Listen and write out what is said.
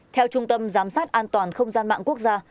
theo trung tâm giám sát an toàn không gian mạng quốc gia